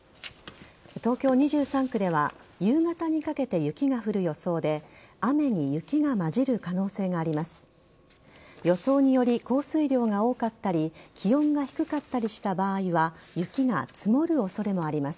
東京２３区では夕方にかけて雪が降る予想で雨に雪が交じる可能性があります。